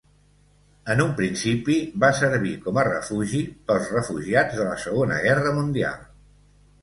En un principi, va servir com a refugi pels refugiats de la Segona Guerra Mundial.